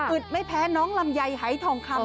ไม่แพ้น้องลำไยหายทองคำ